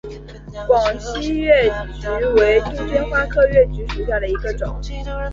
广西越桔为杜鹃花科越桔属下的一个种。